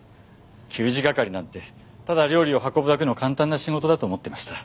給仕係なんてただ料理を運ぶだけの簡単な仕事だと思っていました。